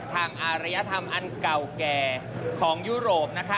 อารยธรรมอันเก่าแก่ของยุโรปนะคะ